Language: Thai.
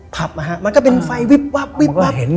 ผับนะฮะมันก็เป็นไฟวิบวับวิบวับ